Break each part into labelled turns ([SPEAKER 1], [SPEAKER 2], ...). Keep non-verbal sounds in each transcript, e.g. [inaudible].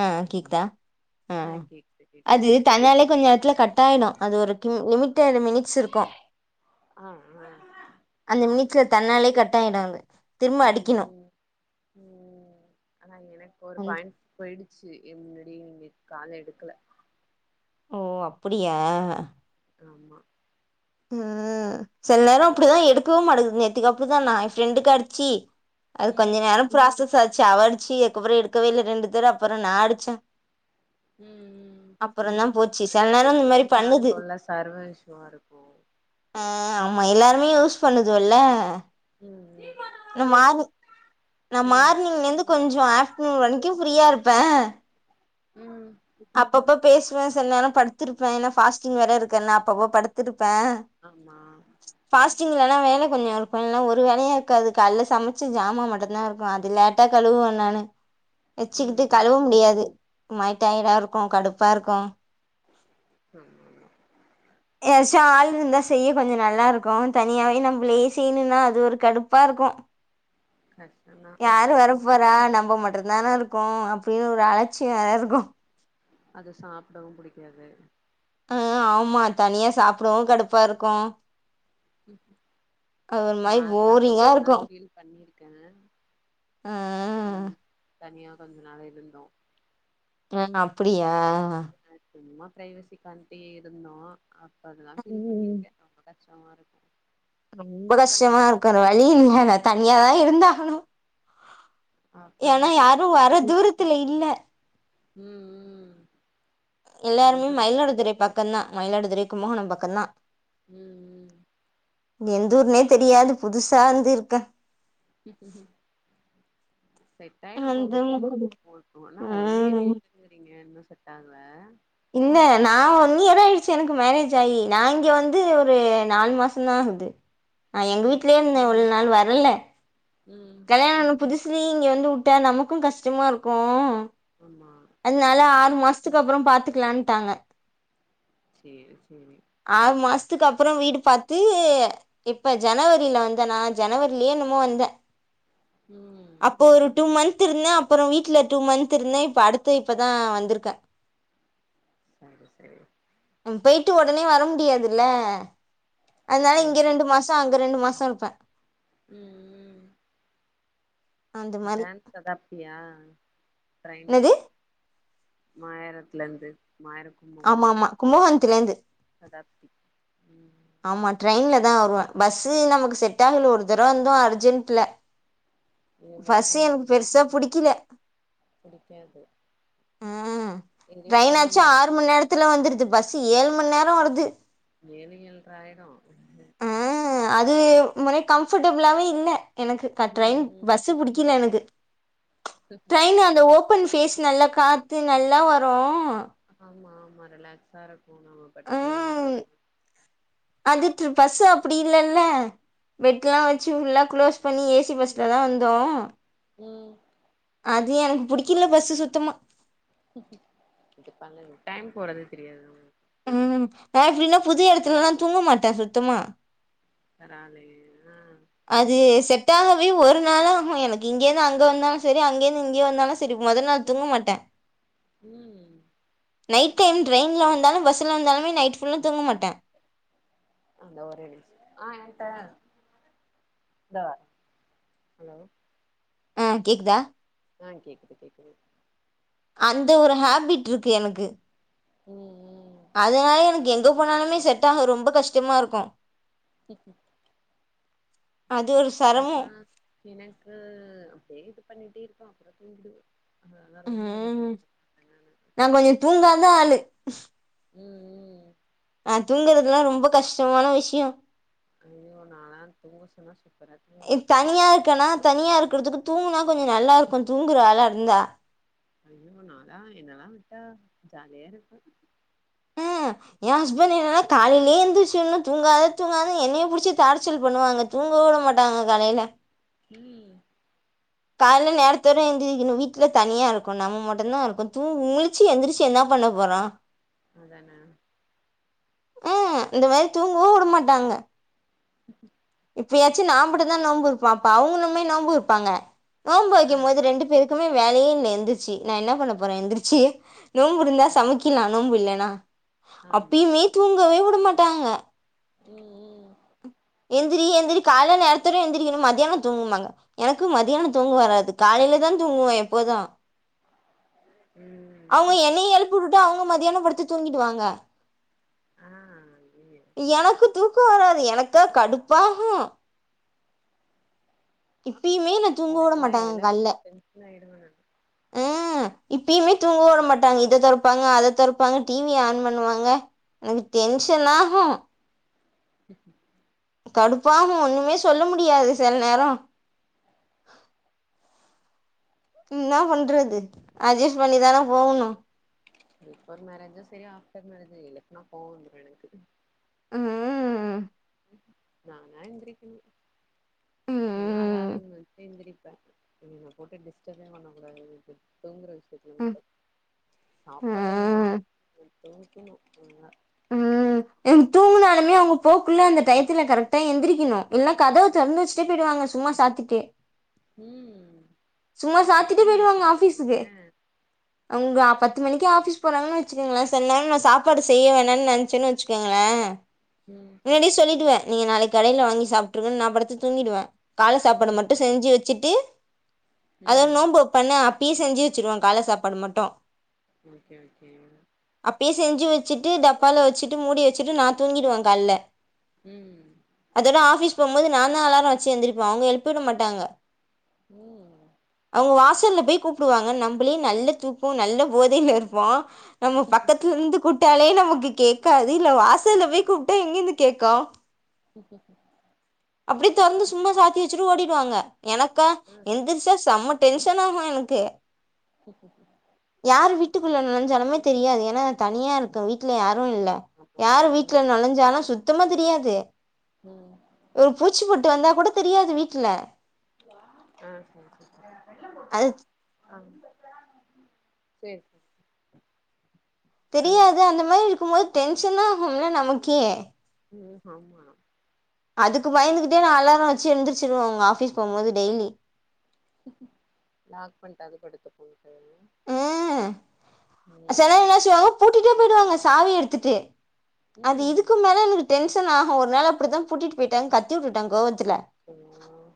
[SPEAKER 1] ஆ கேக்குதா ஆ
[SPEAKER 2] கேக்குது கேக்குது
[SPEAKER 1] அது தன்னாலே கொஞ்ச நேரத்துல கட் ட்டாயினு அது ஒரு கி லிமிட்டெட் மினிட்ஸ் இருக்கு
[SPEAKER 2] ஆ ஆ
[SPEAKER 1] அந்த மினிச்சில
[SPEAKER 2] அப்டித்தா
[SPEAKER 1] தன்னாலே கட் ஆயிடுங்க திரும்ப அடிக்கணு
[SPEAKER 2] ம் ம் ம் ஆனா எனக்கு ஒரு
[SPEAKER 1] அந்த
[SPEAKER 2] பாயிண்ட் போயிட் ச்சி என்னடி நீங்க கால எடுக்கல
[SPEAKER 1] ஓ அப்புடியா
[SPEAKER 2] ஆமா
[SPEAKER 1] ம் சில நேரம் அப்டிதா எடுக்கவே மாட்டங்கது நேத்திக்கி அப்புடி தா நா என் ஃப்ரெண்டுக்கு அடிச்சி அது கொஞ்ச
[SPEAKER 2] ம்
[SPEAKER 1] நேரம் ப்ராசஸ் ஆச்சு அவடிச்சு அதுக்கப்புற எடுக்கவே இல்ல ரெண்டு தரோ அப்புற நா அடிச்சே
[SPEAKER 2] ம் ம் செரி
[SPEAKER 1] அப்றோந்தா
[SPEAKER 2] செரி
[SPEAKER 1] போச்சு
[SPEAKER 2] அத
[SPEAKER 1] சில நேரோ இந்த
[SPEAKER 2] நெட்வொர்க்
[SPEAKER 1] மாரி
[SPEAKER 2] இஸுவா
[SPEAKER 1] பண்ணுது
[SPEAKER 2] இருக்குல்ல சர்வர் இசஸுவா இருக்கு
[SPEAKER 1] ஆ ஆமா எல்லாருமே யூஸ் பண்ணுதுல்ல
[SPEAKER 2] ம்
[SPEAKER 1] நா மார்னிங் நா
[SPEAKER 2] ம்
[SPEAKER 1] மார்னிங்லிந்து கொஞ்சோ ஆஃப்டர்நூன் வரைக்கும ஃப்ரியா இருப் பே
[SPEAKER 2] ம்
[SPEAKER 1] அப்பப்ப பேசுவே சில நேரம் படுத்திருப்பே ஏன்னா ஃபாஸ்டிங் வேற இருக்கன்ன அப்பப்ப படுத்திருப்
[SPEAKER 2] ஆமா
[SPEAKER 1] ட்டிங்லல்லா வேல கொஞ்சோ இருக்கு இல்லனா ஒரு வேலையு இருக்காது கல்ல சமைச்சு ஜாமா மட்டும்தா இருக்கு அது லேட்டா கழுவு [unintelligible] நானு
[SPEAKER 2] ம்
[SPEAKER 1] வச்சுக்கிட்டு
[SPEAKER 2] ம்
[SPEAKER 1] கழுவ முடியாது மாய் டயடாருக்கு கடுப்பாருக்கு
[SPEAKER 2] ஆமாமா.
[SPEAKER 1] யாராச்சு ஆள் இருந்தா செய்ய கொஞ்சோ நல்லாருக்கு தனியாவே நம்பலே செய்யணும்னா அது ஒரு கடுப்பாருக்கு.
[SPEAKER 2] கஷ்டந்தா
[SPEAKER 1] யாரு வர போறா நம் நம்ப மட்டுதானே இருக்கோ அப்டின்னு ஒரு அலட்சியோ எல்லாருக்கு.
[SPEAKER 2] அது சாப்பிடவு புடிக்காது.
[SPEAKER 1] அ, ஆமா தனியா சாப்படவு கடுப்பாருக்கு.
[SPEAKER 2] நா அதெல்லா
[SPEAKER 1] போரிங்கா
[SPEAKER 2] கொஞ்ச
[SPEAKER 1] இருக்கு
[SPEAKER 2] நாள் பீல் பண்ணிருக்கே.
[SPEAKER 1] ஆ
[SPEAKER 2] ம் தனியா கொஞ்ச நாள் இருந்தோ
[SPEAKER 1] [unintelligible] அப்படியா.
[SPEAKER 2] [inaudible] சும்மா பிரைவசி கண்டி இருந்தோ அப்ப அதொல்லா ஃபில்
[SPEAKER 1] ம்
[SPEAKER 2] பண்ணிருக்கே [unintelligible] [unintelligible] இருக்கு.
[SPEAKER 1] ரொம்ப
[SPEAKER 2] என்ன பண்றது
[SPEAKER 1] கஷ்டமாருக்கோ வேற வழி இல்லல தனியாதா இருந்தாகணு
[SPEAKER 2] அப்றோ
[SPEAKER 1] ஏனா
[SPEAKER 2] அப்றோ
[SPEAKER 1] யாரு
[SPEAKER 2] கத்துப்பாங்க
[SPEAKER 1] வர தூரத்துல இல்ல
[SPEAKER 2] ம் ம் அவ்ளோ
[SPEAKER 1] எல்லாருமே
[SPEAKER 2] தூரோ
[SPEAKER 1] மயிலாடுதுறை பக்கோ தா மயிலாடுதுறை கும்பகோணோ பக்கோ தா.
[SPEAKER 2] ம் ம்.
[SPEAKER 1] இங்க எந்தூர்னே தெரியாது புதுசா வந்து இருக்க.
[SPEAKER 2] உஹம். செட்டாயிடு
[SPEAKER 1] வந்து
[SPEAKER 2] போக போக [unintelligible] ஒன் இயர்
[SPEAKER 1] ம்
[SPEAKER 2] ஆயிடுத்துங்கிறீங்க இன்னு செட் டாக்ல
[SPEAKER 1] இல்ல நா ஒன் இயர் ஆயிடுச்சு எனக்கு மேரேஜ் ஆயி நா இங்க வந்து ஒரு நாலு மாசோ தா. குது அ, எங்க
[SPEAKER 2] ம்
[SPEAKER 1] வீட்லயே இருந்தே இவ்ளோ நாள் வரல.
[SPEAKER 2] ம்
[SPEAKER 1] கல்யாணோ ஆன புதுசுலயே இங்க வந்து உட்டா நமக்கு கஷ்டமா இருக்கு.
[SPEAKER 2] ஆமா
[SPEAKER 1] அதனால
[SPEAKER 2] ம்
[SPEAKER 1] ஆறு மாசத்துக்கு அப்றோ பாத்துக்கலான்னுட்டாங்க.
[SPEAKER 2] சேரி சேரி
[SPEAKER 1] துக்கு அப்றோ வீடு பாத்து இப்ப ஜனவரியில வந்த நா ஜனவரியிலேயே என்னுமோ வந்தே
[SPEAKER 2] ம்
[SPEAKER 1] அப்போ ஒரு டூ மந்த் த்திருந்தே அப்பறோ வீட்டு்ல டூ மந்த் இருந்தே இப்ப அடுத்து இப்பதா வந்திருக்கே.
[SPEAKER 2] சரி சரி
[SPEAKER 1] ம், போய்ட்டு ஒடனே வர முடியாதுல்ல அதனால இங்க
[SPEAKER 2] ஆமா
[SPEAKER 1] ரெண்டு மாசோ அங்க ரெண்டு மாஸ் சோருப்பே
[SPEAKER 2] ம் ம்
[SPEAKER 1] அந்த மாரி
[SPEAKER 2] ஜான்ஸ் கதாப்பியா ட்ரைனு
[SPEAKER 1] என்னது
[SPEAKER 2] மாயரத்லந்து மாயரக்
[SPEAKER 1] ஆமா
[SPEAKER 2] கும்பகோணம்
[SPEAKER 1] ஆமா கும்பகோணத்துலேந்து
[SPEAKER 2] கதாப்தி
[SPEAKER 1] ஆமா ட்ரெயின்ல தா வருவே பஸ்சு நமக்கு செட் ஆகல ஒரு தரவ வந்தோ அர்ஜென்ட்ல
[SPEAKER 2] இது
[SPEAKER 1] ஃபஸ்சு
[SPEAKER 2] பஸ்லா
[SPEAKER 1] எனக்கு
[SPEAKER 2] செட்
[SPEAKER 1] பெருசா
[SPEAKER 2] ஆகாது
[SPEAKER 1] புடிக்கில
[SPEAKER 2] புடிக்காது
[SPEAKER 1] உஹம்
[SPEAKER 2] ஏறி
[SPEAKER 1] ட்ரெயினாச்சு
[SPEAKER 2] உக்காந்தமா
[SPEAKER 1] ஆறு
[SPEAKER 2] இப்பதா
[SPEAKER 1] மணி நேரத்துல வந்துருது பஸ் ஏழு மண் நேரோ வருது
[SPEAKER 2] ஏழு எல்ட்ரா ஆயிடு
[SPEAKER 1] ம், அது முறை கம்ஃபோட்டபுலாவே இல்ல எனக்கு க
[SPEAKER 2] ம்
[SPEAKER 1] ட்ரெயின்
[SPEAKER 2] ம்
[SPEAKER 1] பஸ்சு புடிக்கில எனக்கு. ட்ரைனு அந்த ஓபன் ஃபேஸ் நல்லா காத்து நல்லா வரு
[SPEAKER 2] ஆமா, ஆமா ரிலாக்ஸா இருக்கு நம்ம பட்டுக்கு
[SPEAKER 1] ம்
[SPEAKER 2] வர்லால.
[SPEAKER 1] பஸ்சு அப்டி இல்லல்ல பெட்ல்லா வச்சு ஃபுல்லா குளோஸ் பண்ணி ஏசி பஸ்லதா வந்தோ
[SPEAKER 2] ம்
[SPEAKER 1] அது எனக்கு புடிக்கில்ல பஸ்சு சுத்தமா
[SPEAKER 2] இது பண்ணுங் டைம் போறதே தெரியாது.
[SPEAKER 1] ம் நா எப்டினா புது இடத்துலலா தூங்க மாட்ட சுத்தமா
[SPEAKER 2] ராலே ஆ
[SPEAKER 1] அது செட்டாகவே ஒரு நாளாகு எனக்கு இங்கேந்து அங்க வந்தாலு சரி அங்கந்து இங்கியே வந்தாலும் சரி மொதநாள் தூங்க மாட்ட
[SPEAKER 2] ம்
[SPEAKER 1] நைட் டைம் ட்ரெயின்ல வந்தாலு பஸ்ல வந்தாலுமே நைட் ஃபுல்லா தூங்க மாட்ட
[SPEAKER 2] அந்த ஒரு ஆ ஏன்ட்ட இந்த ஹலோ
[SPEAKER 1] ஆ கேக்தா
[SPEAKER 2] ஆ கேக்குது கேக்குது
[SPEAKER 1] அந்த ஒரு ஹேபிட்ருக்கு எனக்கு
[SPEAKER 2] ம் ம்
[SPEAKER 1] அதனால எனக்கு எங்க போனாலுமே செட்டாக ரொம்ப கஷ்டமாருக்கும்
[SPEAKER 2] ம் ம்
[SPEAKER 1] அது ஒரு சிரமம்
[SPEAKER 2] ஆ எனக்கு அப்டியே இது பண்ணிட்டேருக்கும் அப்றம் தூங்கிடுவ
[SPEAKER 1] ம் நா கொஞ்ச தூங்காதா ஆளு
[SPEAKER 2] ம்
[SPEAKER 1] நா தூங்குறதுலா ரொம்ப கஷ்டமான விஷ்யம்
[SPEAKER 2] ஐயோ நாலா தூங்க சொன்னா சு
[SPEAKER 1] த் தனியா இருக்கனா தனியா இருக்கறதுக்கு தூங்குனா கொஞ்ச நல்லாருக்கும் தூங்குற ஆளாருந்தா
[SPEAKER 2] ஐயோ நாலா என்னலா விட்டா ஜாலியாருக்கு
[SPEAKER 1] அஹ எ ஹஸ்பண்ட் என்னன காலையிலே எந்திரிச்சொன்ன தூங்காத தூங்காத என்னைய புடிச்சி டார்ச்சல் பண்ணுவாங்க தூங்கவே வுட மாட்டாங்க காலைல
[SPEAKER 2] ம்
[SPEAKER 1] கால்ல நேரத்தோட எந்திரக்கணு வீட்ல தனியாருக்கு நம்ம மட்டுந்தாருக்கும் தூ முழிச்சி எந்திரிச்சி என்னா பண்ண போறோ
[SPEAKER 2] அதான
[SPEAKER 1] ஆ இந்த மேரி தூங்கவு வுடமாட்டாங்க
[SPEAKER 2] [inaudible]
[SPEAKER 1] இப்பியாச்சு நாமட்டுதா நோம்புருப்ப அப்ப அவுங்கனுமே நோம்பு இருப்பாங்க நோம்பு
[SPEAKER 2] ஆ
[SPEAKER 1] வைக்கும் போது ரெண்டு பேர் க்குமே வேலையேல எந்திரிச்சி நா என்ன பண்ண போற எந்திரிச்சி நோம்புருந்தா சமைக்கிலா நோம்பு இல்லனா
[SPEAKER 2] ஆமா
[SPEAKER 1] அப்பியுமே தூங்கவே வுடமாட்டாங்க
[SPEAKER 2] ம் ம்
[SPEAKER 1] எந்திரி எந்திரி காலைல நேரத்தோட எந்திரிக்கனு மதியான தூங்குமாங்க எனக்கு மதியான தூங்க வராது காலைலதா தூங்குவ எப்போது
[SPEAKER 2] ம்
[SPEAKER 1] அவங்க
[SPEAKER 2] ம்.
[SPEAKER 1] என்னைய எலுப் புட்டுட்டு அவுங்க மதியான படுத்து தூங்கிடுவாங்க
[SPEAKER 2] ஆ ஐயயோ
[SPEAKER 1] எனக்கு தூக்க வராது எனக்கா கடுப்பாகும் இப்பியுமே என்ன தூங்க வுட
[SPEAKER 2] எனக்கெல்லா
[SPEAKER 1] மாட்டாங்க கால்ல
[SPEAKER 2] எழுப்புனா டென்ஷன் ஆயிடுவே நானு
[SPEAKER 1] அ இப்பியுமே தூங்க வுட மாட்டாங்க இத தொறப்பாங்க அத தொறப்பாங்க டிவிய ஆன் பண்ணுவாங்க எனக்கு டென்ஷனாகு
[SPEAKER 2] ம்
[SPEAKER 1] கடுப்பாம ஒண்ணுமே சொல்ல முடியாது சில நேரம் என்ன பண்றது அட்ஜஸ்ட் பண்ணிதான போகணும்
[SPEAKER 2] பிஃபோர் மேரேஜும் சரி ஆஃப்டர் மேரேஜும் இல்லை எழுப்பனா கோவ வந்துரும் எனக்கு
[SPEAKER 1] ம்
[SPEAKER 2] நானா எந்திரிக்கனு இல்னா
[SPEAKER 1] ம்
[SPEAKER 2] அலாரம் வச்சு எந்திரி ப்ப என்ன போட்டு டிஸ்டர்ப் பண்ணக்கூடாது தூங்குற விஷ்ய துல
[SPEAKER 1] ம்
[SPEAKER 2] மட்டும் சாப்பாடு இல்லனா
[SPEAKER 1] ம்
[SPEAKER 2] நா தூக்கணும் நல்லா
[SPEAKER 1] ம் எங் தூங்குனாலுமே அவங்க போ ள்ள அந்த டயத்துல கரெக்டா எந்திரிக்கணும் இல்லா கதவு திறந்து வச்சுடே போயிடுவாங்க சும்மா சாத்திட்டு
[SPEAKER 2] ம்
[SPEAKER 1] சும்மா சாத்திட்டு
[SPEAKER 2] எத்தன மணிக்கு
[SPEAKER 1] போயிடுவாங்க ஆபிஸுக்கு
[SPEAKER 2] எந்திரிப்பீங்க
[SPEAKER 1] அவுங்க பத் து மணிக்கு ஆபீஸ் போறங்கன் வெச்சுக்கங்ளே செல நேரோ சாப்பாடு செய்ய வேணா நெனச்சேன் வெச்சுக்கங்ளே
[SPEAKER 2] ம்
[SPEAKER 1] முன்னாடியே சொல்லிடுவே நீங்க நாளைக்கு கடைல வாங்கி சாப்ட்டுருங்கன் நா படத்து தூங்கிடுவே கால்ல சாப்பாடு மட்டு
[SPEAKER 2] ம்
[SPEAKER 1] செஞ்சு வச்சிட்டு அத
[SPEAKER 2] ம்
[SPEAKER 1] நோன்பு வெப்பண்ணு அப்டியே செஞ்சு வெச்சிருவே கால்ல சாப்பாடு மட்டு
[SPEAKER 2] ஓகே ஓகே
[SPEAKER 1] அப்பயே செஞ்சு வெச்சிட்டு டப்பால வெச்சிட்டு மூடி வெச்சிட்டு நா தூங்கிடுவே கால்ல
[SPEAKER 2] ம்
[SPEAKER 1] அதோட ஆபீஸ் போம்போது நா தா அலார வச்சு எந்திரிப்பே அவுங்க எழுப்பி உட மாட்டாங்க
[SPEAKER 2] ம்
[SPEAKER 1] வாசல்ல போய் கூப்டுவாங்க நம்பளே நல்ல தூக்கோ நல்ல போதைல இருப்போ நம்ம பக்கத்துலருந்து கூப்ட்டாலே நமக்கு கேக்காது இத்ல வாசல்ல போய் கூப்ட்டா எங்கிருந்து கேக்கு
[SPEAKER 2] ஓகே [unintelligible]
[SPEAKER 1] அப்டி தொறந்து சும்மா சாத்தி வச்சுட்டு ஓடிடுவாங்க எனக்கா
[SPEAKER 2] ஆ
[SPEAKER 1] எந்திரிச்சா செம்ம டென்ஷன் ஆகு எனக்கு
[SPEAKER 2] ச [unintelligible]
[SPEAKER 1] யார் வீட்டுக்குள்ள நொழஞ்சாலுமே தெரியாது ஏனா தனியா இருக்கோ வீட்ல யா ரு இல்ல
[SPEAKER 2] ஆமாம்பா
[SPEAKER 1] யாரு வீட்ல
[SPEAKER 2] எனக்கு
[SPEAKER 1] நொழஞ்சாலு சுத்தமா தெரியாது
[SPEAKER 2] ம்
[SPEAKER 1] ஒரு பூச்சி பொட்டு வந்தா கூட தெரியாது வீட்ல
[SPEAKER 2] ஆ செரி செரி
[SPEAKER 1] அது
[SPEAKER 2] ஆ சேர் சேரி ஆ
[SPEAKER 1] தெரியாது அந்த மாரி இருக்கு போது டென்ஷனா ஆகும்ல நமக்கே
[SPEAKER 2] ம் ஆமா
[SPEAKER 1] அதுக்கு பயந்துகிட்டே நா அலார வெச்சு எந்திருச்சிருவே அவுங்க ஆபீஸ் போம்போது டெய்லி
[SPEAKER 2] லாக் பண்ட்டாது படுத்துப்போ
[SPEAKER 1] ம் செலர்
[SPEAKER 2] ம்
[SPEAKER 1] என்ன செய்வாங்க பூட்டிட்டே போயிடுவாங்க சாவி எடுத்துட்டு அது
[SPEAKER 2] ம்
[SPEAKER 1] இதுக்கு மேல எனக்கு டென்ஷன் ஆகு ஒரு நாள் அப்டித்தா பூட்டிட்டு போய்ட்டாங்க கத்தி உட்டுட்டே கோவத் ட்ல
[SPEAKER 2] ம்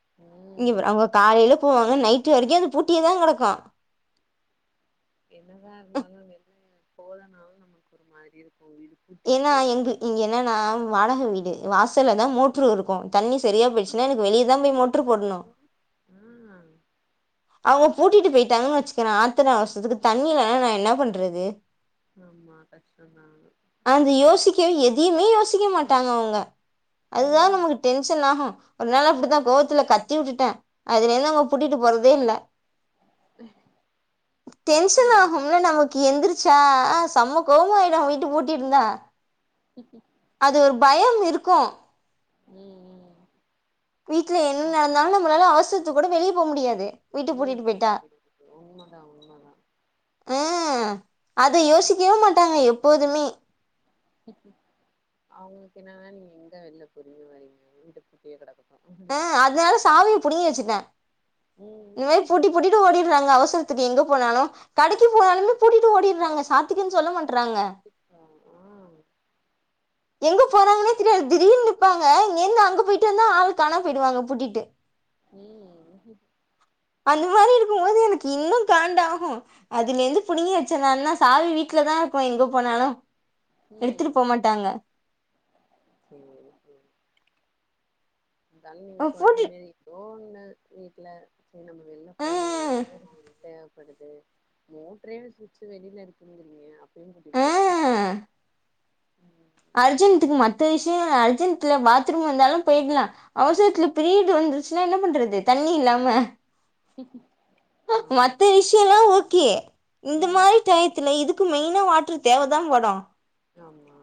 [SPEAKER 1] இங்க பாரு
[SPEAKER 2] ம்
[SPEAKER 1] அவுங்க காலைல போவாங்க நைட்டு வரைக்கு அது பூட்டியே தா கெடக்கு
[SPEAKER 2] என்னதா இருந்தாலு வெளிய போலனாலு நமக்கு ஒரு மாரியு
[SPEAKER 1] ஏனா எங்து இங்க என்னன்னா வாடக வீடு வாசல்ல தா மோட்ரு இருக்கு தண்ணி தெரியா போயிட்ச்சுன்னா எனக்கு வெளியதா போய் மோட்ரு போட்ணு
[SPEAKER 2] வீட்ல ஆ
[SPEAKER 1] அவுங்க பூட்டிட்டு போய்ட்டாங்ன் வெச்சுங்க ஆத்ர அவசரத்துக்கு தண்ணி வேணு என்னா பண்றது
[SPEAKER 2] ஆமா கஷ்டந்தா
[SPEAKER 1] அந்த [unintelligible] எதையுமே யோசிக்க மாட்டாங்க அவுங்க அதுதா
[SPEAKER 2] ம்
[SPEAKER 1] நமக்கு டென்ஷன் ஆகு ஒரு நாள் அப்டிதா கோவத்துல கத்தி உட்டுட்டே அதுலருந்து அவுங்க பூட்டிட்டு போறதே இல்ல டென்ஷன்
[SPEAKER 2] தப்பில்ல அது
[SPEAKER 1] ஆகும்ல நமக்கு எந்திரி ச்சா செம்ம கோவ வரு வீட்ட பூட்டிருந்தா
[SPEAKER 2] ே
[SPEAKER 1] அது ஒரு பயம் இருக்கு
[SPEAKER 2] ம் ம்
[SPEAKER 1] வீட்ல என்ன
[SPEAKER 2] ஆமா
[SPEAKER 1] நடந்தாலு நம்மளால அவுசரத்துக்கு கூட வெளிய போ முடியாது வீட்டு
[SPEAKER 2] வெளில
[SPEAKER 1] பூட்டிட்டு
[SPEAKER 2] போ
[SPEAKER 1] போயிட்டா
[SPEAKER 2] [unintelligible] உண்ம தா உண்ம தா
[SPEAKER 1] அ அத யோசிக்கவே மாட்டாங்க எப்போதுமே
[SPEAKER 2] அவுங்களுக்கு என்னானா நீங்க எங்க வெளில போரிங்க வரிங்க வீடு பூட்டியே கெடக்கு
[SPEAKER 1] அ அதனால சாவிய புடிங்கி வச்சுட்டே
[SPEAKER 2] ம்
[SPEAKER 1] இந்மாரி பூட்டி பூட்டிட்டு ஓடிறாங்க அவசர த்துக்கு எங்க போனாலு கடைக்கு போனாலுமே பூட்டிட்டு ஓடிறாங்க சாத்திக்குன் சொல்ல மா
[SPEAKER 2] இப்ப ஆ
[SPEAKER 1] எங்க போறாங்கன்னே தெரியாது திடீர்ன் நிப்பாங்க இங்கிருந்து அங்க போயிட்டு வந்தா ஆள் காணா போயிடுவாங்க பூட்டிட்டு
[SPEAKER 2] ம்
[SPEAKER 1] அந்த மாரி இருக்கும்போது எனக்கு இன்னு காண்டாஹு அதுலருந்து புடிங்கி வெச்ச நா இன்னு சாவி வீட்ல தா இருக்கு எங்க போனாலு எடுத்துட்டு
[SPEAKER 2] ம்
[SPEAKER 1] போமாட்டாங்க
[SPEAKER 2] சேரி சேரி ந்தாலு நீங்க சொல்ற
[SPEAKER 1] போட்டு
[SPEAKER 2] மேரி எதோ ஒன் னு வீட்ல சேர் நம்ம வெள்ல போனு
[SPEAKER 1] ம்
[SPEAKER 2] எதாவது ஒரு தேவ படுது மோட்டரே ஸ்விட்சு வெளில இருக்குதுங்கறீங்க அப்
[SPEAKER 1] ஆ அர்ஜென்ட்டுக்கு மத்த விஷ்யோ அர்ஜென்ட்ல பாத்ரூம் வந்தாலு போயிட்லா அவசரத்துல பீர்டு வந் துர்ச்ன்னா என்ன பண்றது தண்ணி இல்லாம
[SPEAKER 2] ஆமா
[SPEAKER 1] மத்த விஷ்யல்லா ஓகே இந்த
[SPEAKER 2] ம்
[SPEAKER 1] மாரி டைத்துல இது க்கு மெயினா வாட்டர் தேவதாபடு
[SPEAKER 2] ஆமா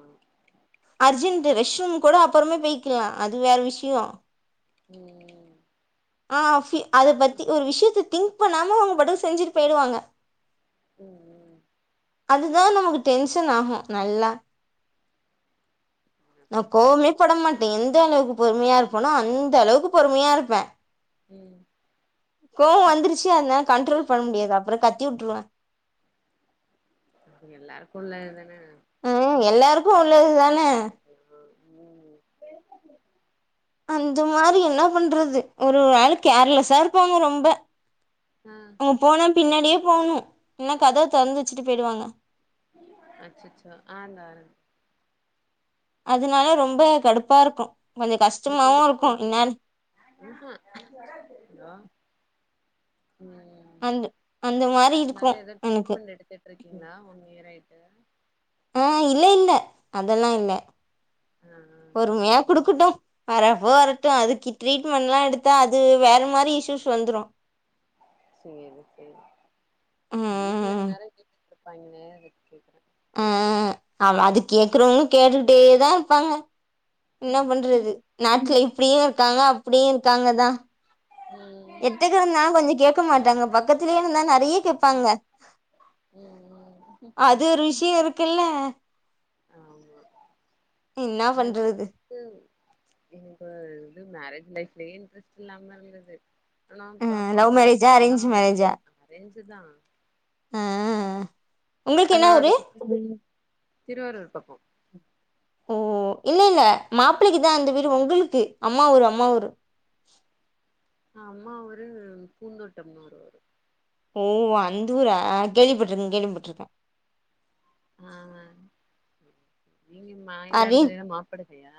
[SPEAKER 1] அர்ஜென்டு ரெஷ் ரூம் கூட அப்பறமா போய்க்லா அது வேற விஷ்யோ
[SPEAKER 2] ம் ம்
[SPEAKER 1] ஆ ஃபி அத பத்தி ஒரு விஷ்யத்த திங்க் பண்ணாம அவங்க பாட்டுக்கு செஞ்சிட் போயிருவாங்க
[SPEAKER 2] ம் ம்
[SPEAKER 1] அது தா நமக்கு டென்ஷனாகு நல்லா
[SPEAKER 2] என்ன
[SPEAKER 1] நா
[SPEAKER 2] பண்றது
[SPEAKER 1] கோவமே பட மாட்டே எந்தளவுக்கு பொறுமையா இருப்பனோ அந்தளவுக்கு பொறுமையா இருப்பே
[SPEAKER 2] ம்
[SPEAKER 1] கோவோ வந்துருச்சு அதனால் கண்ட்ரோல் பண்ண முடியாது அப்றோ கத்தி உட்ருவே
[SPEAKER 2] அது எல்லாருக்கு உள்ளது தான
[SPEAKER 1] ம் எல்லாருக்கு உள்ளது தான
[SPEAKER 2] ம்
[SPEAKER 1] அந்த மாரி என்ன பண்றது ஒரு ஒராளு கேர்லஸ்ஸா இருப்பாங்க ரொம்ப
[SPEAKER 2] ஆ
[SPEAKER 1] அவுங்க போனா பின்னாடியே போனு இன்னா கதவு தொறந்து வச்சுட்டு போயிடுவாங்க
[SPEAKER 2] அச்சச்சோ ஆ இந்தா வரே
[SPEAKER 1] அதுனால ரொம்ப கடுப்பா இருக்கு
[SPEAKER 2] நீங்க எடுத்துக்கோங்க ம்ஹூம் அலோ ம்
[SPEAKER 1] அந்த அந்த மாரி இருக்கும்
[SPEAKER 2] நல்லா எதாது
[SPEAKER 1] எனக்கு.
[SPEAKER 2] ட்ரீட்மெண்ட் எடுத்துட்ருக்கீங்களா ஒன் இயர் ஆய் ட்டு
[SPEAKER 1] ஆ இல்ல இல்ல அதெல்லா இல்ல
[SPEAKER 2] ஆ ஆ
[SPEAKER 1] பொறுமையா குடுக்கட்டு வரப்போ வரட்டு அதுக்கு ட்ரீட்மெண்ட்ல்லா எடுத்தா அது வேற மாரி இஷ்ஷுஸ் வந்துரு
[SPEAKER 2] சேரி சேரி வீட்ல
[SPEAKER 1] ம்
[SPEAKER 2] இந்நேரோ கேட்டுட்ருப் பாங்களே அதுக் கேக்கறே
[SPEAKER 1] அ அ ஆமா அது கேக்கறவங்க கேட்டுட்டேதா இருப்பாங்க என்ன பண்றது நாட்ல இப்டியு இருக்காங்க அப்டியு இருக்காங்க தா
[SPEAKER 2] ம்
[SPEAKER 1] எட்டக்க இருந்தாலு கொஞ்சோ கேக்க மாட்டாங்க பக்கத்துலே இருந்தா நெறைய கேப்பாங்க
[SPEAKER 2] ம் ம்
[SPEAKER 1] அது ஒரு விஷ்யோ இருக்குல்ல
[SPEAKER 2] ஆமா
[SPEAKER 1] என்ன
[SPEAKER 2] ஆனா
[SPEAKER 1] பண்றது
[SPEAKER 2] எனக்கு எங்க இது மேரேஜ் லைஃப் லே இன்ட்ரெஸ்ட் இல்லாம இருந்துது [unintelligible] ஆனா
[SPEAKER 1] ஆ
[SPEAKER 2] பாப்பா
[SPEAKER 1] லவ் மேரேஜா
[SPEAKER 2] வந்ததுக்கப்பறந்தா
[SPEAKER 1] அரேஞ்ச் மேரேஜா
[SPEAKER 2] அரேஞ்சு தா
[SPEAKER 1] உங்கள்க் என்ன
[SPEAKER 2] ஆனா
[SPEAKER 1] ஊரு
[SPEAKER 2] அதுக்கு திருவாரூர் பக்கோ
[SPEAKER 1] ஓ இல்ல இல்ல மாப்பிளைக்குதா அந்த வீரு உங்களுக்கு அம்மா ஊரு அம்மா ஊரு
[SPEAKER 2] அம்மா ஊரு பூந்தோட்டம்னூரு வரு
[SPEAKER 1] ஓ அந்தூரா
[SPEAKER 2] ஆ
[SPEAKER 1] கேள்விப்பட்ருக்கே கேள்விப்பட்ருக்கே
[SPEAKER 2] ஆ நீங்க
[SPEAKER 1] அரே!
[SPEAKER 2] மயிலாடுதுறைனா மாப்படு சைடா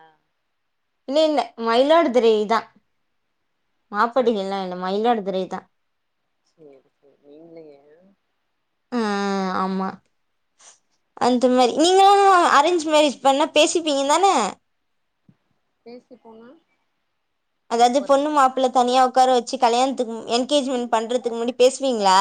[SPEAKER 1] இல்ல இல்ல மயிலாடுதுறை தா
[SPEAKER 2] கரெக்டா
[SPEAKER 1] மாப்படுகல்லா இல்ல மயிலாடுதுறை தா
[SPEAKER 2] சேரி சேரி மெயின்லயா
[SPEAKER 1] ஆ ஆமா அந்த மாரி நீங்களா அரேஞ்ச் மேரேஜ் பண்ணா பேசிப்பீங்க தான
[SPEAKER 2] பேசி போனா
[SPEAKER 1] அதாவது
[SPEAKER 2] பிஃபோர்
[SPEAKER 1] பொண்ணு
[SPEAKER 2] மேரேஜா
[SPEAKER 1] மாப்புள்ள தனியா உக்கார வச்சு கல்யாணத்துக்கு என்கேஜ்மன்ட் பண்றதுக்கு முன்னாடி பேசுவீங்ளா